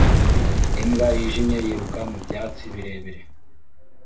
Imbwa yijimye yiruka mu byatsi birebire